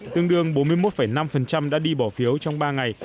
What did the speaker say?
tương đương bốn mươi một năm đã đi bỏ phiếu trong ba ngày